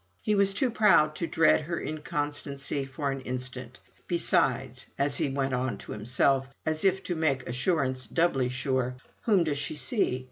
He was too proud to dread her inconstancy for an instant; "besides," as he went on to himself, as if to make assurance doubly sure, "whom does she see?